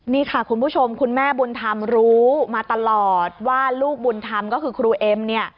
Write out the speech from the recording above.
นี่ค่ะคุณผู้ชมคุณแม่บุญธรรมรู้มาตลอดว่าลูกบุญธรรมก็คือครูเอ็มเนี่ย